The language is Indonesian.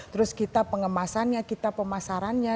terus kita pengemasannya kita pemasarannya